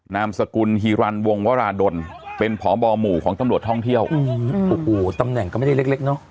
นามสกุลฮีรันวงวราดลเป็นผบหมู่ของตำรวจท่องเที่ยวโอ้โหตำแหน่งก็ไม่ได้เล็กเล็กเนอะ